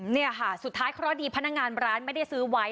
เนี่ยค่ะสุดท้ายเคราะห์ดีพนักงานร้านไม่ได้ซื้อไว้